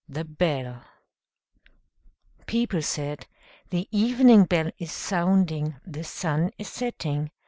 THE BELL People said "The Evening Bell is sounding, the sun is setting."